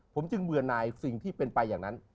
ผมจึงเบื่อนายสิ่งที่เป็นไปอย่างนั้น